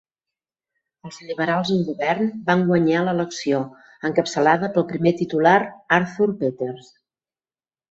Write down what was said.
Els liberals en govern van guanyar l'elecció, encapçalada pel primer titular Arthur Peters.